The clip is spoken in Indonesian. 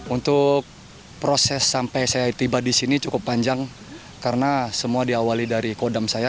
untuk proses sampai saya tiba di sini cukup panjang karena semua diawali dari kodam saya